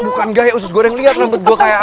bukan gaya usus gue udah ngelihat rambut gue kayak apa